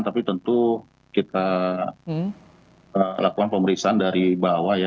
tapi tentu kita lakukan pemeriksaan dari bawah ya